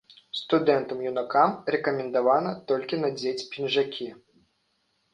Студэнтам-юнакам рэкамендавана толькі надзець пінжакі.